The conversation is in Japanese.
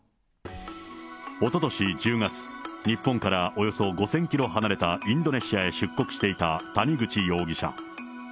おととし１０月、日本からおよそ５０００キロ離れたインドネシアへ出国していた谷口容疑者。